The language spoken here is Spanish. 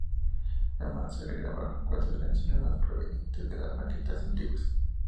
Además se regrabaron cuatro canciones más provenientes de las maquetas antiguas.